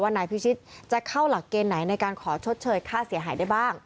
ความสนใจว่าพี่จะเข้าหลักเกณฑ์ไหนในการขอชดเชยค่าเสียหายได้บ้าง